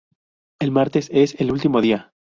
El martes, es el último día.